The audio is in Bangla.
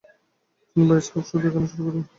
তিনি বায়োস্কোপ শো দেখানো শুরু করেন।